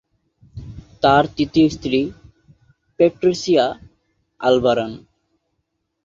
তার তৃতীয় স্ত্রী প্যাট্রিসিয়া আলভারান।